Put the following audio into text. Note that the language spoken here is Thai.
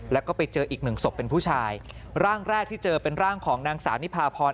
แล้วก็ไปเจออีกหนึ่งศพเป็นผู้ชายร่างแรกที่เจอเป็นร่างของนางสาวนิพาพร